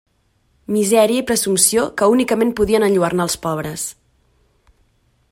Misèria i presumpció que únicament podien enlluernar els pobres!